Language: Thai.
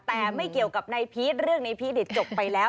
แต่ไม่เกี่ยวกับนายพีศเรื่องนายพีศเดี๋ยวจบไปแล้ว